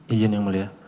ijin yang mulia